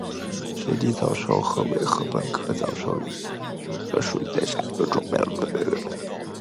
雪地早熟禾为禾本科早熟禾属下的一个种。